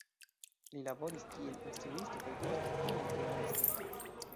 Li laboris kiel instruisto kaj poste kiel trejnisto.